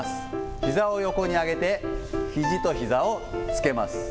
ひざを横に上げて、ひじとひざをつけます。